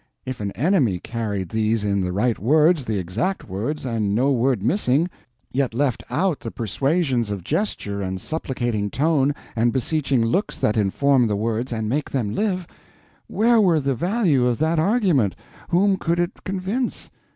If an enemy carried these in the right words, the exact words, and no word missing, yet left out the persuasions of gesture and supplicating tone and beseeching looks that inform the words and make them live, where were the value of that argument—whom could it convince?